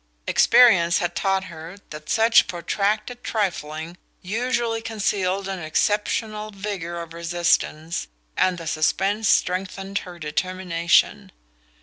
Experience had taught her that such protracted trifling usually concealed an exceptional vigour of resistance, and the suspense strengthened her determination.